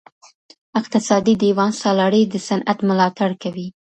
اقتصادي دیوان سالاري د صنعت ملاتړ کوي.